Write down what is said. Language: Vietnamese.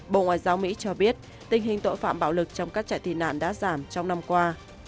bộ ngoại giao mỹ cho biết tình hình tội phạm bạo lực trong các trại tị nạn đã giảm trong năm qua